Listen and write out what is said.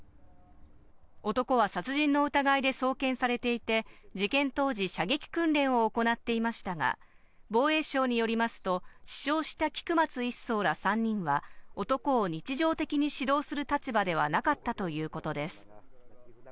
男は殺人の疑いで送検されていて、事件当時、射撃訓練を行っていましたが、防衛省によりますと、死傷した菊松１曹ら３人は男を日常的に指導する立場ではなかったということです。